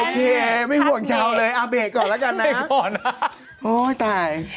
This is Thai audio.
อ๋อโอเคไม่ห่วงเช้าเลยอัพเบกก่อนแล้วกันนะโอ้ยตาย